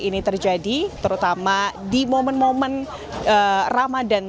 ini terjadi terutama di momen momen ramadan